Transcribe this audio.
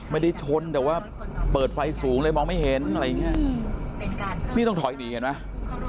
ไม่ได้ชนแต่ว่าเปิดไฟสูงเลยมองไม่เห็นอะไรอย่างเงี้ยนี่ต้องถอยหนีเห็นไหม